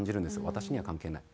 「私には関係ない」。